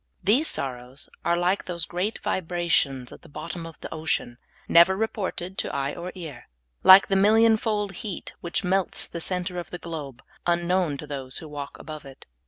These sorrows are like those great vibrations at the bot tom of the ocean — never reported to eye or ear ; like the million fold heat which melts the center of the globe, unknown to those who walk above it.